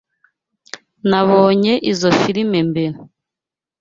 Nabonye izoi firime mbere.